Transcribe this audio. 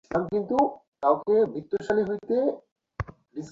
তিনি একদম অসহায় হয়ে পড়েছেন।